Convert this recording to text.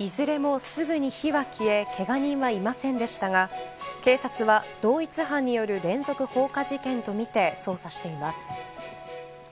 いずれも、すぐに火は消えけが人はいませんでしたが警察は同一犯による連続放火事件とみて捜査しています。